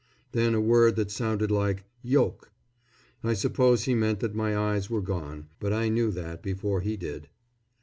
then a word that sounded like "yolk." I suppose he meant that my eyes were gone; but I knew that before he did.